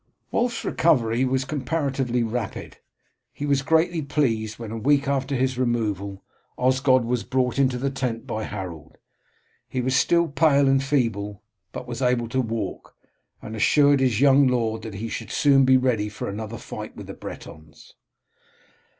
Wulf's recovery was comparatively rapid. He was greatly pleased when, a week after his removal, Osgod was brought into the tent by Harold. He was still pale and feeble, but was able to walk, and assured his young lord that he should soon be ready for another fight with the Bretons.